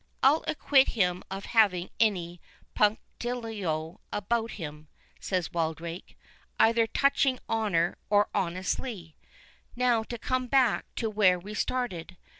"I'll acquit him of having any punctilio about him," said Wildrake, "either touching honour or honesty. Now, to come back to where we started.